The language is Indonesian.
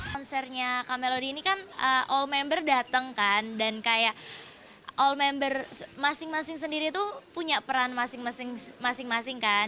konsernya kamelody ini kan all member datang kan dan kayak all member masing masing sendiri tuh punya peran masing masing kan